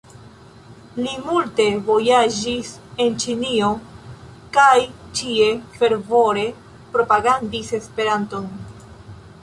Li multe vojaĝis en Ĉinio kaj ĉie fervore propagandis Esperanton.